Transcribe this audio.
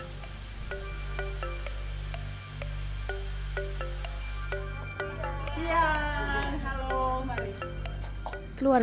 masih siang halo mari